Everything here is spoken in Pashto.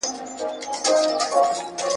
ډیري لاري یې پر سپي وې آزمېیلي ..